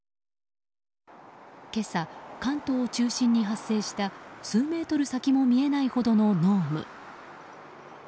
今朝、関東を中心に発生した数メートル先も見えないほどの濃霧。